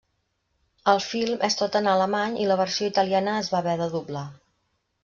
El film és tot en alemany i la versió italiana es va haver de doblar.